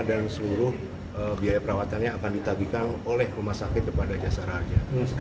dan seluruh biaya perawatannya akan ditabikan oleh rumah sakit kepada jasara harja